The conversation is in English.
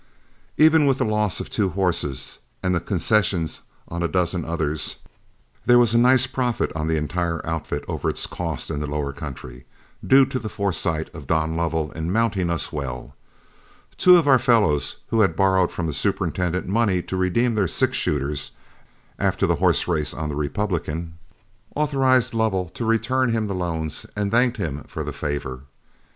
Even with the loss of two horses and the concessions on a dozen others, there was a nice profit on the entire outfit over its cost in the lower country, due to the foresight of Don Lovell in mounting us well. Two of our fellows who had borrowed from the superintendent money to redeem their six shooters after the horse race on the Republican, authorized Lovell to return him the loans and thanked him for the favor.